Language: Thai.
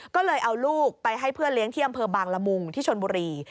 ก็เลยเอาลูกไปให้เพื่อนเลี้ยงที่อำเภอบางละมุงที่ชนบุรี